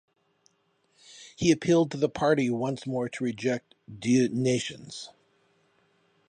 He appealed to the party once more to reject "deux nations".